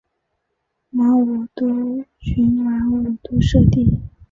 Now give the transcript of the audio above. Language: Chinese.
马武督群马武督社地。